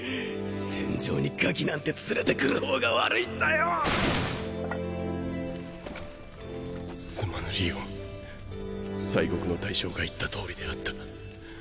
戦場にガキなんて連れてくる方が悪すまぬりおん西国の大将が言った通りであった。